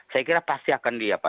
saya kira pasti akan diapa